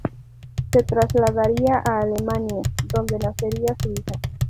Se trasladaría a Alemania, donde nacería su hija.